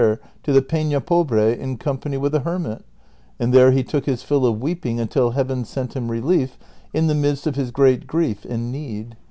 205 to the Pena Pobre in company with a hermit, and there he took his till of weeping until Heaven sent him relief in the midst of his great grief and need.